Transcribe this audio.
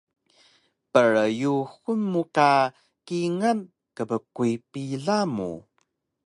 Pryuxun mu ka kingal kbkuy pila mu